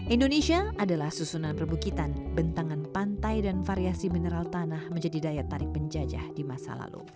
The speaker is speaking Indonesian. indonesia adalah susunan perbukitan bentangan pantai dan variasi mineral tanah menjadi daya tarik penjajah di masa lalu